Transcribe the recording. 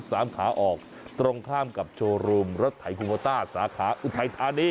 สามขาออกตรงข้ามกับโชว์รูมรถไถคูโมต้าสาขาอุทัยธานี